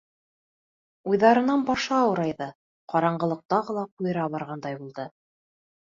Уйҙарынан башы ауырайҙы, ҡараңғылыҡ тағы ла ҡуйыра барғандай булды.